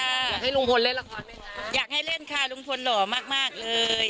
อยากให้ลุงพลเล่นละครไหมคะอยากให้เล่นค่ะลุงพลหล่อมากมากเลย